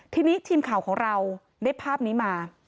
ทีนี้ทีมข่าวของเราได้ภาพนี้มา